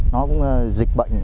nó cũng dịch bệnh